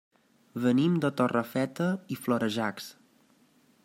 Venim de Torrefeta i Florejacs.